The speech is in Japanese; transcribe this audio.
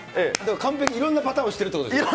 完璧、いろんなパターンを知ってるということですね。